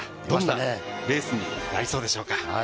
どんなレースになりそうでしょうか。